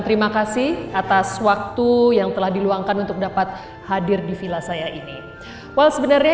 terima kasih atas waktu yang telah diluangkan untuk dapat hadir di villa saya ini wow sebenarnya